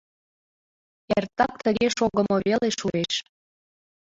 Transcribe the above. Эртак тыге шогымо веле шуэш.